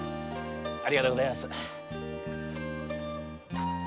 ありがとうございます。